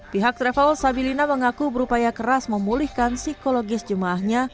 pihak travel sabilina mengaku berupaya keras memulihkan psikologis jemaahnya